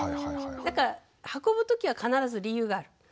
だから運ぶ時は必ず理由がある。